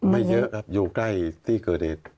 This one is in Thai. ไม่เยอะครับอยู่ใกล้ที่เกิดเหตุ